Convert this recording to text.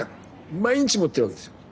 毎日持ってるわけですよ。